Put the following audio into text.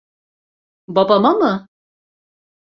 Babama mı?